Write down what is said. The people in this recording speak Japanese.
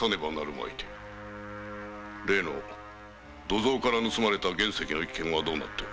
土蔵から盗まれた「原石」の件はどうなった？